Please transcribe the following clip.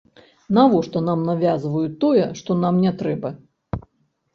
Навошта нам навязваюць тое, што нам не трэба?